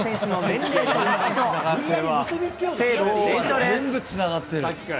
全部つながってる。